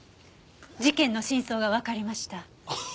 事件の真相がわかりました。